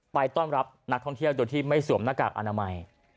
ไปต้อนรับนักท่องเที่ยวโดยที่ไม่สวมหน้ากากอนามัย